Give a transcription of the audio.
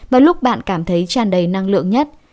và lúc bạn cảm thấy tràn đầy năng lượng nhất